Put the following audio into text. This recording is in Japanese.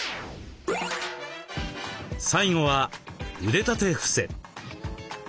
最後は腕立てふせ。